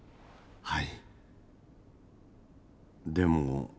はい。